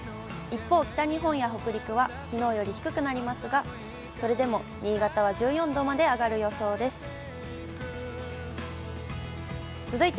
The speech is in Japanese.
一方、北日本や北陸は、きのうより低くなりますが、それでも新潟は１４度まで上がる予想です。